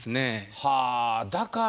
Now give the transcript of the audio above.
はー、だから。